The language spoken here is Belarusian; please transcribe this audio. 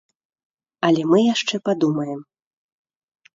Але мы яшчэ падумаем.